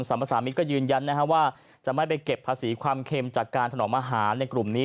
ภาษามิตรก็ยืนยันว่าจะไม่ไปเก็บภาษีความเค็มจากการถนอมอาหารในกลุ่มนี้